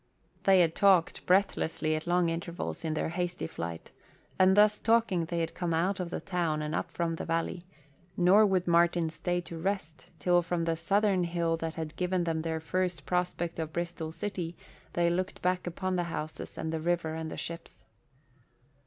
They had talked breathlessly at long intervals in their hasty flight, and thus talking they had come out of the town and up from the valley; nor would Martin stay to rest till from the southern hill that had given them their first prospect of Bristol city they looked back upon the houses and the river and the ships.